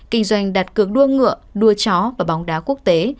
kinh doanh đặt cược đua ngựa đua chó và bóng đá quốc tế